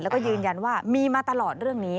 แล้วก็ยืนยันว่ามีมาตลอดเรื่องนี้